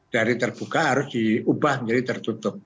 dari terbuka harus diubah menjadi tertutup